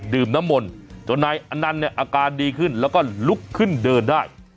น้ำมนต์จนนายอนันต์เนี่ยอาการดีขึ้นแล้วก็ลุกขึ้นเดินได้